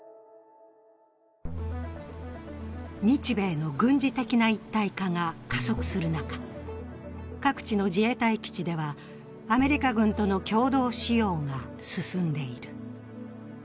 日米の軍事的な一体化が加速する中、各地の自衛隊基地ではアメリカ軍との共同使用が進んでいる。